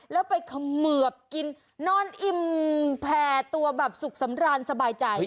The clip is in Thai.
แล้วไปเขมือบกินนอนอิ่มแผ่ตัวแบบสุขสำราญสบายใจ